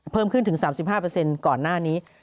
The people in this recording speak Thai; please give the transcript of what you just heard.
เพิ่มขึ้นถึง๓๕ก่อนหน้านี้